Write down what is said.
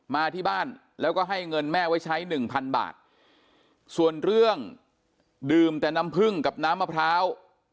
มาที่บ้านแล้วก็ให้เงินแม่ไว้ใช้หนึ่งพันบาทส่วนเรื่องดื่มแต่น้ำผึ้งกับน้ำมะพร้าว